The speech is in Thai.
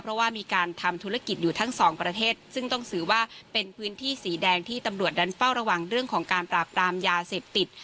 เพราะว่ามีการทำธุรกิจอยู่ทั้งสองประเทศซึ่งต้องถือว่าเป็นพื้นที่สีแดงที่ตำรวจนั้นเฝ้าระวังเรื่องของการปราบปรามยาเสพติด